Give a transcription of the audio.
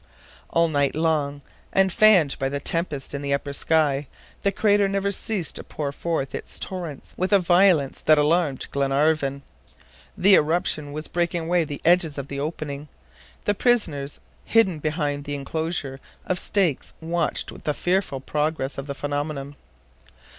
All night long, and fanned by the tempest in the upper sky, the crater never ceased to pour forth its torrents with a violence that alarmed Glenarvan. The eruption was breaking away the edges of the opening. The prisoners, hidden behind the inclosure of stakes, watched the fearful progress of the phenomenon.